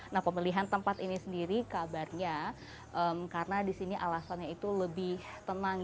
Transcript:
nah pemilihan tempat ini sendiri kabarnya karena di sini alasannya itu lebih tenang